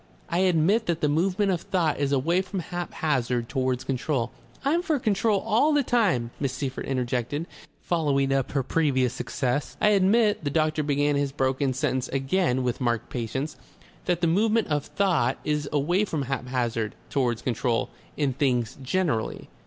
I admit that the movement of thought is away from haphazard towards control " "I'm for control all the time," Miss Seyffert injected, following up her previous success. "I admit," the doctor began his broken sentence again with marked patience, "that the movement of thought is away from haphazard towards control in things generally.